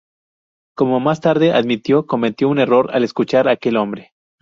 Como más tarde admitió, cometió un error al escuchar a aquel hombre.